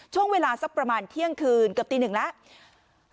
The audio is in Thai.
ช่วงเวลาสักประมาณเที่ยงคืนเกือบตีหนึ่งแล้ว